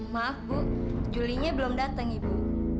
maaf bu julie nya belum datang ibu